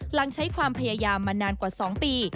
หลังใช้ความพยายามมานานกว่า๒ปี